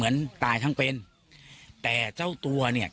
คุณสังเงียมต้องตายแล้วคุณสังเงียม